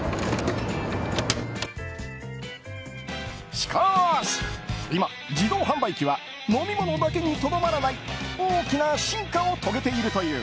しかし今、自動販売機は飲み物だけにとどまらない大きな進化を遂げているという。